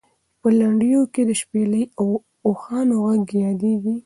په لنډیو کې د شپېلۍ او اوښانو غږ یادېږي.